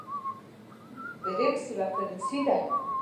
برېکس یوه کرنسۍ ده